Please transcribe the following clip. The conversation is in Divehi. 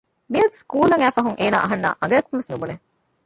މިޔަދު ސްކޫލަށް އައިފަހުން އޭނާ އަހަންނާ އަނގައަކުން ވެސް ނުބުނެ